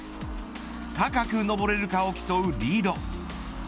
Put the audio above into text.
高く登れるかを競うリード。